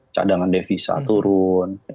cadangan devisa turun